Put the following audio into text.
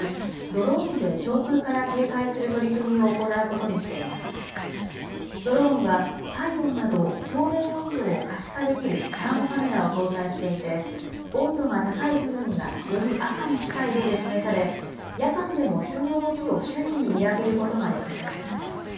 ドローンは体温など表面温度を可視化できるサーモカメラを搭載していて、温度が高い部分がより赤に近い色で示され、夜間でも人の動きを瞬時に見分けることができます。